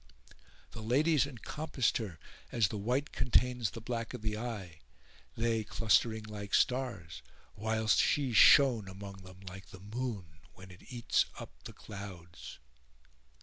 The ladies encompassed her as the white contains the black of the eye, they clustering like stars whilst she shone amongst them like the moon when it eats up the clouds.